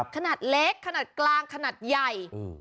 ขนาดเล็กขนาดกลางขนาดใหญ่